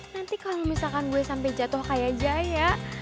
nanti kalo misalkan gue sampe jatuh kayak jaya